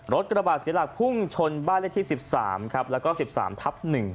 กระบาดเสียหลักพุ่งชนบ้านเลขที่๑๓ครับแล้วก็๑๓ทับ๑